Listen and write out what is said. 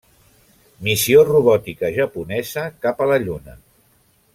Missió robòtica japonesa cap a la Lluna.